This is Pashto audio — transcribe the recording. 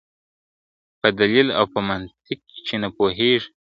په دلیل او په منطق چي نه پوهېږي ..